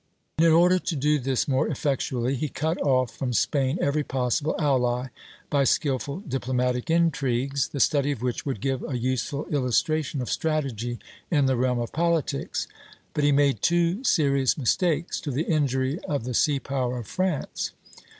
In order to do this more effectually, he cut off from Spain every possible ally by skilful diplomatic intrigues, the study of which would give a useful illustration of strategy in the realm of politics, but he made two serious mistakes to the injury of the sea power of France.